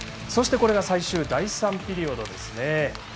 そして、最終第３ピリオドです。